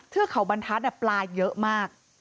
เทือกเขาบรรทัศน์ปลาเยอะมาก